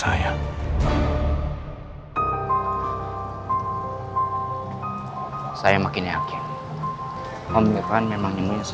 saya mau ketemu samburosa